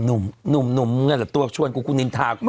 คือนุ่มนุ่มแต่ตัวชวนกูกูนินทากูเลย